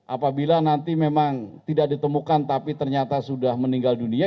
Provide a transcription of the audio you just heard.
apabila nanti memang tidak ditemukan tapi ternyata sudah meninggal dunia